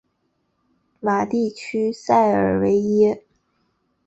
瓦地区塞尔维耶。